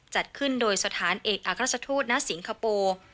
จัดขึ้นโดยสถานเอกอัครราชทูตณสิงคโปร์